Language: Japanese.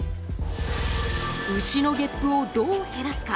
牛のげっぷをどう減らすか。